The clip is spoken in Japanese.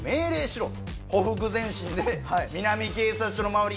「ほふく前進で南警察署の周り